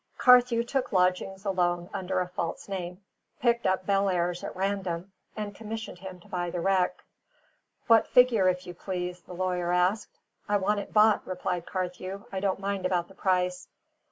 Carthew took lodgings alone under a false name, picked up Bellairs at random, and commissioned him to buy the wreck. "What figure, if you please?" the lawyer asked. "I want it bought," replied Carthew. "I don't mind about the price."